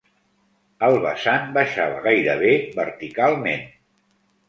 El vessant baixava gairebé verticalment